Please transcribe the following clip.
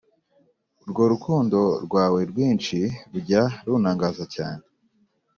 Urwo rukundo rwawe rwinshi rujya runtangaza cyane